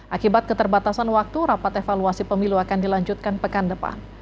akibat keterbatasan waktu rapat evaluasi pemilu akan dilanjutkan pekan depan